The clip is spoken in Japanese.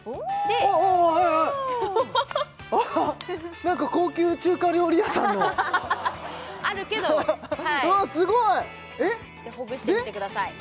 おおお速い速い何か高級中華料理屋さんのあるけどはいわすごいほぐしてみてください